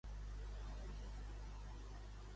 Qui li van ensenyar música?